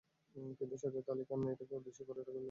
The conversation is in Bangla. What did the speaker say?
কিন্তু, সাজ্জাদ আলী খান এটাকে অদৃশ্য করে ফেলবে।